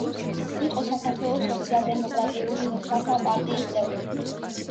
იყო საქართველოს სოციალ-დემოკრატიული მუშათა პარტიის წევრი.